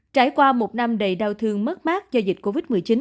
trải qua một năm đầy đau thương mất mát do dịch covid một mươi chín